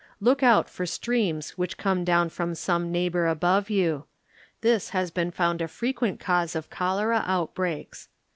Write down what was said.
Look out for streams which come down from some neighbor above you. This has been found a frequent cause of cholera out breaks.